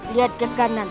lihat ke kanan